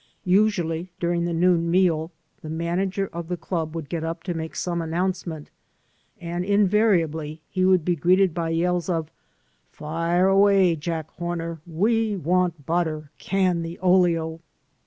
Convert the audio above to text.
Usually during the noon meal the manager of the club would get up to make some announcement, and invariably he would be greeted by yells of, "Fire away," "Jack Homer," "We want butter," "Can the oleo."